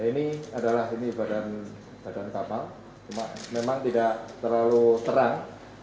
ini adalah badan kapal memang tidak terlalu terang